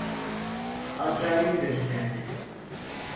Azra'yı gösterdi.